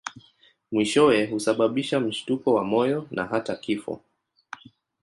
Mwishowe husababisha mshtuko wa moyo na hata kifo.